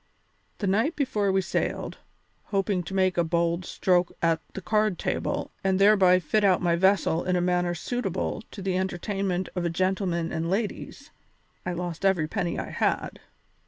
The night before we sailed, hoping to make a bold stroke at the card table and thereby fit out my vessel in a manner suitable to the entertainment of a gentleman and ladies, I lost every penny I had.